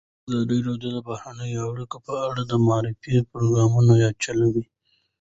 ازادي راډیو د بهرنۍ اړیکې په اړه د معارفې پروګرامونه چلولي.